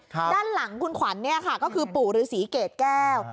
ด้านหลังคุณขวัญเนี่ยค่ะก็คือปู่ฤษีเกรดแก้ว